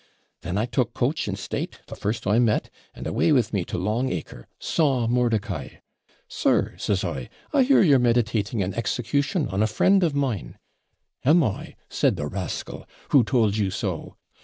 Then I took coach in state, the first I met, and away with me to Long Acre saw Mordicai. "Sir," says I, "I hear you're meditating an execution on a friend of mine." "Am I?" said the rascal; "who told you so?"